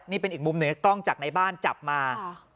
นี่เป็นอีกมุมหนึ่งกล้องจากในบ้านจับมา